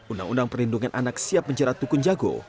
undang undang perlindungan anak siap menjerat tukun jago